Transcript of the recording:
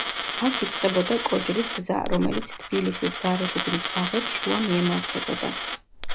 აქ იწყებოდა კოჯრის გზა, რომელიც თბილისის გარეთუბნის ბაღებს შუა მიემართებოდა.